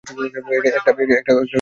একটা বুথ ও খালি নেই।